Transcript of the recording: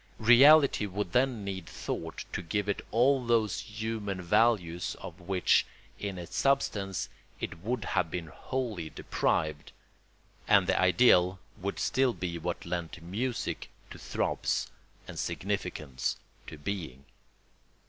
Reality would then need thought to give it all those human values of which, in its substance, it would have been wholly deprived; and the ideal would still be what lent music to throbs and significance to being.